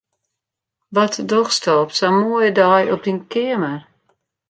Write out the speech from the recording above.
Wat dochsto op sa'n moaie dei op dyn keamer?